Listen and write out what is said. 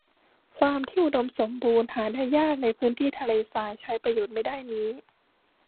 ฟาร์มที่อุดมสมบูรณ์หาได้ยากในพื้นที่ทะเลทรายใช้ประโยชน์ไม่ได้นี้